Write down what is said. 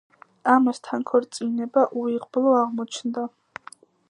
ამასთან, ქორწინება უიღბლო აღმოჩნდა.